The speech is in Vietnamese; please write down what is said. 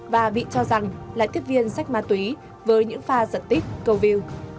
và bị cho rằng là tiếp viên sách ma túy với những pha giật tích cầu view